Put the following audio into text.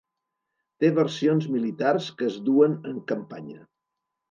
Té versions militars que es duen en campanya.